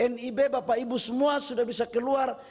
nib bapak ibu semua sudah bisa keluar